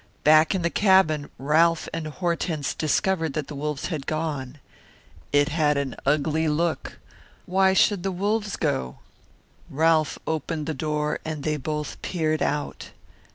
Back in the cabin Ralph and Hortense discovered that the wolves had gone. It had an ugly look. Why should the wolves go? Ralph opened the door and they both peered out.